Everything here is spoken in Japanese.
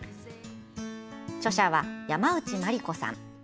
著者は山内マリコさん。